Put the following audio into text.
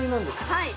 はい。